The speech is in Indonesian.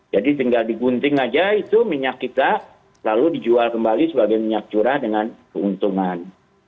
jadi tinggal digunting aja itu minyak kita lalu dijual kembali sebagai minyak curah dengan keuntungan